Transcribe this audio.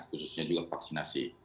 khususnya juga vaksinasi